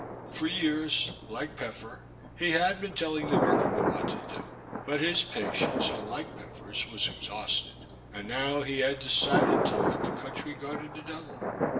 For years, like Peffer, he had been telling the Government what to do, but his patience, unlike Peffer's, was exhausted, and now he had decided to let the country go to the devil.